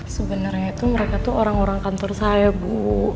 sebenarnya itu mereka tuh orang orang kantor saya bu